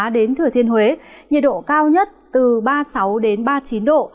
đến thừa thiên huế nhiệt độ cao nhất từ ba mươi sáu ba mươi chín độ